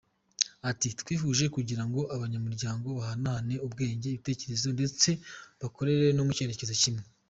Ati “Twihuje kugira ngo abanyamuryango bahanahane ubwenge, ibitekerezo ndetse bakorere no mu cyerekezo kimwe”.